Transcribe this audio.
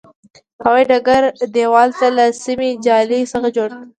هوایي ډګر دېوال له سیمي جال څخه جوړ و.